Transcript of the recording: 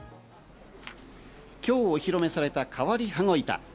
今日お披露目された変わり羽子板。